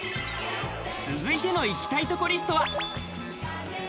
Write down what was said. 続いての行きたいとこリストは？